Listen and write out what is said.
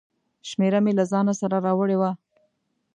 شمېره مې له ځانه سره راوړې وه.